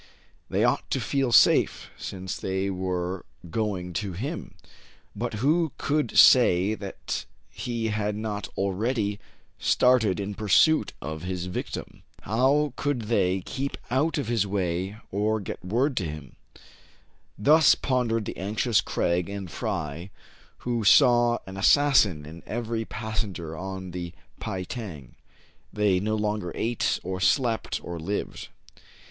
They ought to feel safe, since they were going to him ; but who could say that he had not.already started in pursuit of his victim } How could they keep out of his way, or get word to him } Thus pondered the anxious Craig and Fry, who saw an assassin in every passenger on the " Pei tang. They no longer ate or slept or lived.